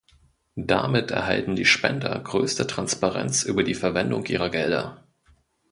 Damit erhalten die Spender größte Transparenz über die Verwendung ihrer Gelder.